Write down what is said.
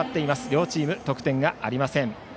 両チーム、得点がありません。